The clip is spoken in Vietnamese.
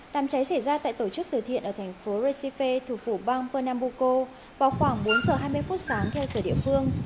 đàm cháy xảy ra tại tổ chức từ thiện ở thành phố recife thủ phủ bang pernambuco vào khoảng bốn giờ hai mươi phút sáng theo sở địa phương